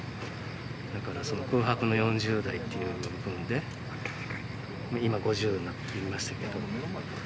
だからその空白の４０代っていうぶんで、今、５０になりましたけど。